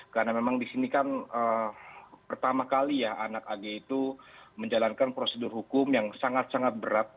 karena memang di sini kan pertama kali ya anak ag itu menjalankan prosedur hukum yang sangat sangat berat